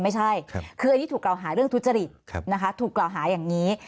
ไม่ใช่คืออันนี้ถูกกล่าวหาเรื่องทุจริตนะคะถูกกล่าวหาอย่างนี้